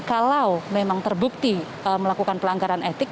kalau memang terbukti melakukan pelanggaran etik